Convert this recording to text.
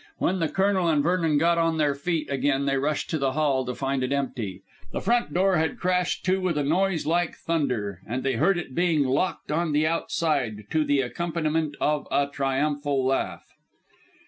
When the Colonel and Vernon got on their feet again they rushed into the hall to find it empty. The front door had crashed to with a noise like thunder, and they heard it being locked on the outside, to the accompaniment of a triumphal laugh.